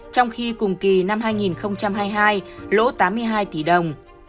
trong khi cùng kỳ năm hai nghìn hai mươi hai lỗ tám mươi hai tỷ đồng